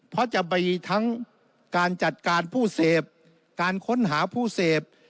เพราะจะมีทั้งการจัดการผู้เสพการค้นหาผู้เสพ